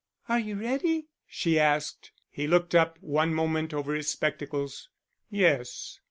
"Are you ready?" she asked. He looked up one moment over his spectacles. "Yes."